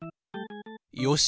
よし。